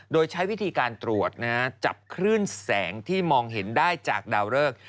โดยใช้วิธีการตรวจจับคลื่นแสงที่มองเห็นได้จากดาวเริก